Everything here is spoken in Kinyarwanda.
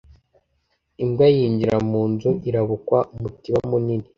Imbwa yinjira mu nzu Irabukwa umutiba munini